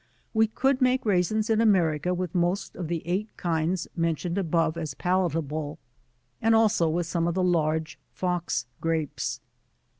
We could make raisins in America with most of the 8 kinds mentioned above as palatable, and also with ",ime of the large Fox Grapes.